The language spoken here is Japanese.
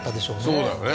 そうだよね